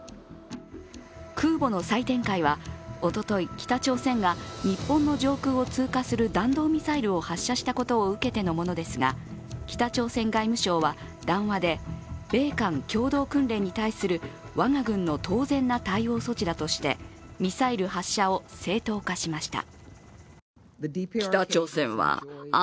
空母の再展開はおととい、北朝鮮が日本の上空を通過する弾道ミサイルを発射したことを受けてのものですが、北朝鮮外務省は談話で米韓共同訓練に対する我が軍の当然な対応措置だとしてミサイル発射を正当化しました。